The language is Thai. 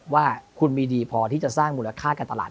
ว่าคุณมีดีพอที่จะสร้างมูลค่าการตลาด